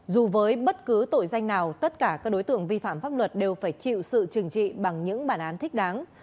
dù với bất cứ tội danh nào tất cả các đối tượng vi phạm pháp luật đều phải chịu sự trừng trị bằng những bản án thích đáng